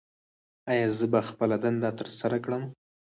ایا زه به خپله دنده ترسره کړم؟